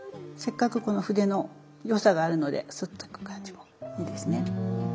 せっかくこの筆の良さがあるのでスッといく感じもいいですね。